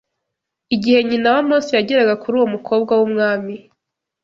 Igihe nyina wa Mose yageraga kuri uwo mukobwa w’umwami